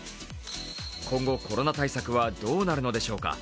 今後、コロナ対策はどうなるのでしょうか。